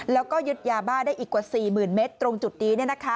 แล้วก็ยึดยาบ้าได้อีกกว่า๔๐๐๐เมตรตรงจุดนี้